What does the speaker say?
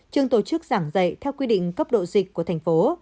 trường tổ chức giảng dạy theo quy định cấp độ dịch của thành phố